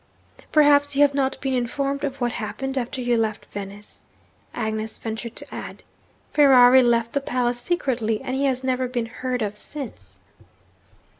'Perhaps you have not been informed of what happened after you left Venice?' Agnes ventured to add. 'Ferrari left the palace secretly; and he has never been heard of since.'